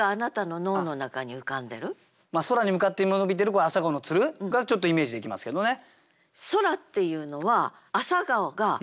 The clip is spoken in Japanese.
空に向かって伸びている「朝顔」のつるがちょっとイメージできますけどね。